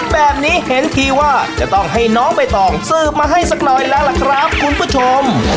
แบบนี้เห็นทีว่าจะต้องให้น้องใบตองสืบมาให้สักหน่อยแล้วล่ะครับคุณผู้ชม